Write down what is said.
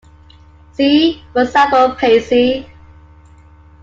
See, for example, Pacey.